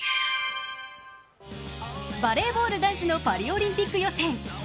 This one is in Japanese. バレーボール男子のパリオリンピック予選。